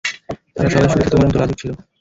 তারা সবাই শুরুতে তোমার মতো লাজুক ছিল।